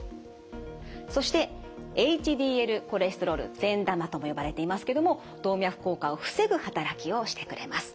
そしてＨＤＬコレステロール善玉とも呼ばれていますけども動脈硬化を防ぐ働きをしてくれます。